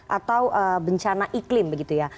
atau bencana iklim begitu ya